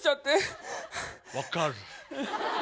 分かる。